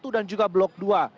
dan juga blok dua